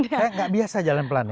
kayak gak biasa jalan pelan ya